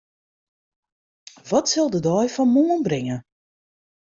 Wat sil de dei fan moarn bringe?